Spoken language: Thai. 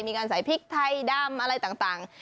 มีการใส่พริกไทยดำอะไรต่าง